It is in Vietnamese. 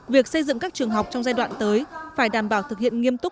việc xây dựng các trường học trong giai đoạn tới phải đảm bảo thực hiện nghiêm túc